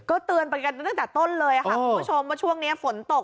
เตือนไปกันตั้งแต่ต้นเลยค่ะคุณผู้ชมว่าช่วงนี้ฝนตก